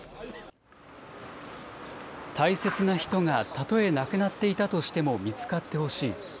大切な人がたとえ亡くなっていたとしても見つかってほしい。